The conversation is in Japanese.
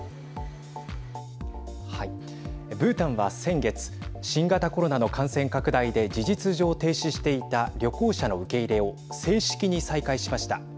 ブータンは先月新型コロナの感染拡大で事実上停止していた旅行者の受け入れを正式に再開しました。